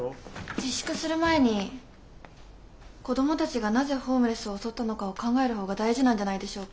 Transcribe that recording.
自粛する前に子供たちがなぜホームレスを襲ったのかを考える方が大事なんじゃないでしょうか。